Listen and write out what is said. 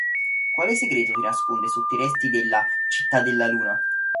Quale segreto si nasconde sotto i resti della "Città della Luna"?